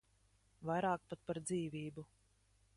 Vairāk pat par dzīvību.